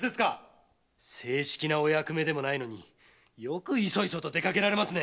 正式なお役目でもないのによくいそいそと出かけられますね。